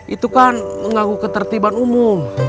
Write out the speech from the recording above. itu kan mengganggu ketertiban umum